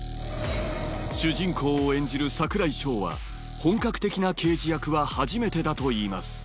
主人公を演じる櫻井翔は本格的な刑事役は初めてだといいます